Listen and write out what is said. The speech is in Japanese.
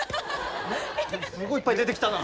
すごいいっぱい出てきたな。